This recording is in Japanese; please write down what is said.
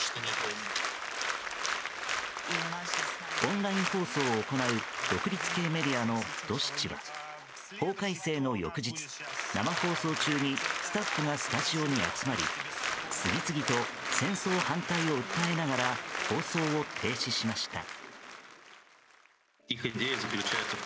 オンライン放送を行う独立系メディアのドシチは法改正の翌日、生放送中にスタッフがスタジオに集まり次々と戦争反対を訴えながら放送を停止しました。